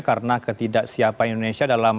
karena ketidaksiapan indonesia dalam